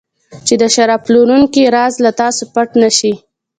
چې د شراب پلورونکي راز له تاسو پټ نه شي.